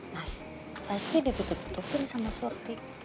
mas pasti ditutup tutupin sama surtik